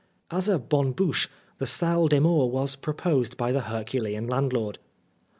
As a bonne bouche, the Salle des Morts was proposed by the Herculean landlord.